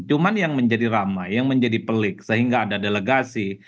cuma yang menjadi ramai yang menjadi pelik sehingga ada delegasi